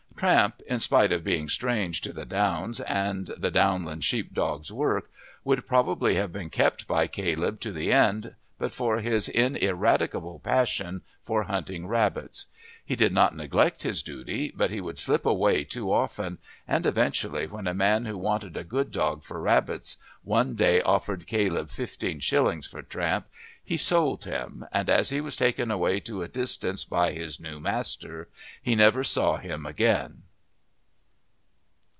Tramp, in spite of being strange to the downs and the downland sheep dog's work, would probably have been kept by Caleb to the end but for his ineradicable passion for hunting rabbits. He did not neglect his duty, but he would slip away too often, and eventually when a man who wanted a good dog for rabbits one day offered Caleb fifteen shillings for Tramp, he sold him, and as he was taken away to a distance by his new master, he never saw him again.